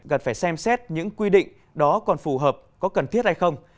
gần phải xem xét những quy định đó còn phù hợp có cần thiết hay không